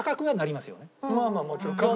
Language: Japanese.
まあまあもちろん。